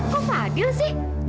kok fadil sih